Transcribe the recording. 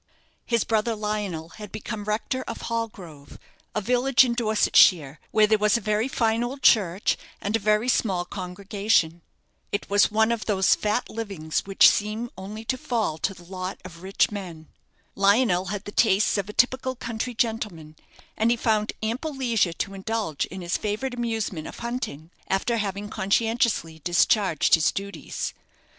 His brother Lionel had become rector of Hallgrove, a village in Dorsetshire, where there was a very fine old church and a very small congregation. It was one of those fat livings which seem only to fall to the lot of rich men. Lionel had the tastes of a typical country gentleman, and he found ample leisure to indulge in his favourite amusement of hunting, after having conscientiously discharged his duties.